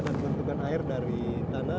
dan bentukan air dari tanah